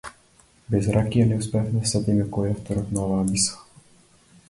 Без ракија не успеавме да се сетиме кој е авторот на оваа мисла.